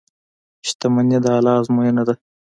• شتمني د الله ازموینه ده.